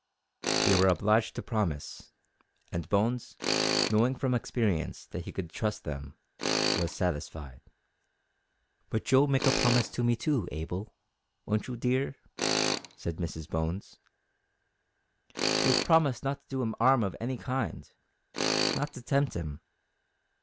They were obliged to promise, and Bones, knowing from experience that he could trust them, was satisfied. "But you'll make a promise to me too, Abel, won't you, dear?" said Mrs Bones; "you'll promise not to do 'im harm of any kind not to tempt 'im?"